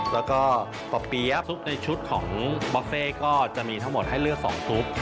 แล้วก็ป่อเปี๊ยบซุปในชุดของบอฟเฟ่ก็จะมีทั้งหมดให้เลือก๒ซุป